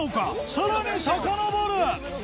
さらにさかのぼる！